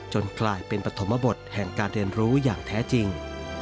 กลายเป็นปฐมบทแห่งการเรียนรู้อย่างแท้จริง